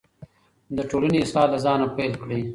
د ټولنې اصلاح له ځانه پیل کړئ.